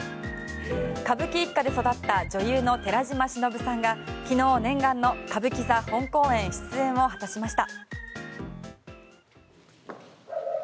歌舞伎一家で育った女優の寺島しのぶさんが昨日念願の歌舞伎座本公演出演を果たしました。